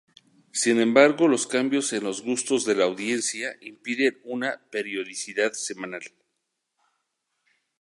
Sin embargo, los cambios en los gustos de la audiencia impiden una periodicidad semanal.